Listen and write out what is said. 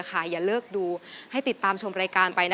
ขอบคุณครับ